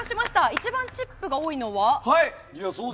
一番チップが多いのは？